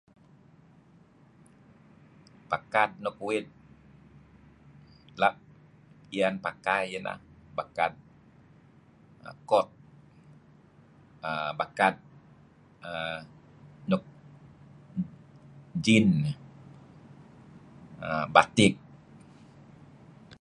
Bakad luk uih la' piyan pakai iyeh ineh bakad kot err bakad err nuk jean, err batik.